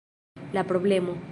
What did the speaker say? La problemo.